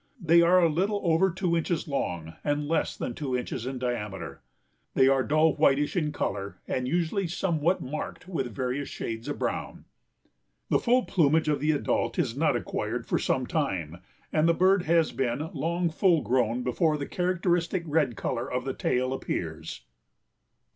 They are a little over two inches long and less than two inches in diameter. They are dull whitish in color and usually somewhat marked with various shades of brown. The full plumage of the adult is not acquired for some time and the bird has been long full grown before the characteristic red color of the tail appears.